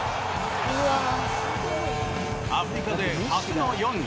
アフリカ勢初の４位。